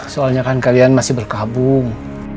soalnya kan kalian masih berkabung